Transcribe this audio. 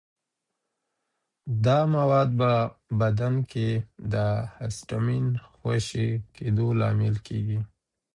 دا مواد په بدن کې د هسټامین خوشې کېدو لامل کېږي.